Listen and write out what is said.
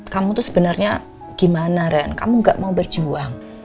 kamu tuh sebenarnya gimana ren kamu gak mau berjuang